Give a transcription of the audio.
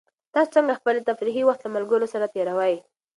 تاسو څنګه خپل تفریحي وخت له ملګرو سره تېروئ؟